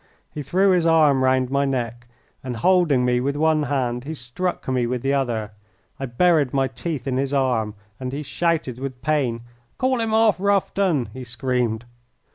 He threw his arm round my neck, and holding me with one hand he struck me with the other. I buried my teeth in his arm, and he shouted with pain. "Call him off, Rufton!" he screamed.